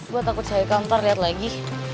gue takut saya kantor liat lagi